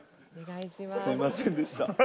すいませんでした。